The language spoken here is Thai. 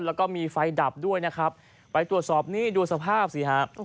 แล้วก็มีไฟดับด้วยนะครับไปตรวจสอบนี่ดูสภาพสิฮะ